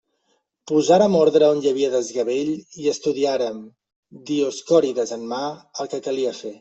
Posàrem ordre on hi havia desgavell i estudiàrem, Dioscòrides en mà, el que calia fer.